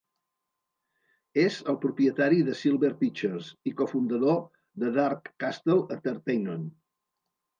És el propietari de Silver Pictures i cofundador de Dark Castle Entertainment.